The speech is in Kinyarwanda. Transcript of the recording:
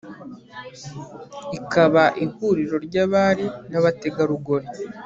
ikaba ihuriro ry'abari n'abategarugori